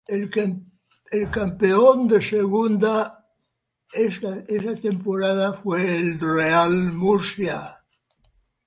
El campeón de Segunda esa temporada fue el Real Murcia.